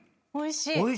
おいしい。